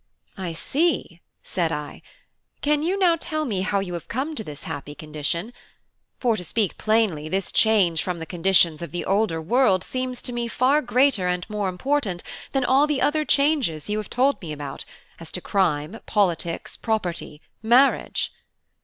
"I see," said I. "Can you now tell me how you have come to this happy condition? For, to speak plainly, this change from the conditions of the older world seems to me far greater and more important than all the other changes you have told me about as to crime, politics, property, marriage."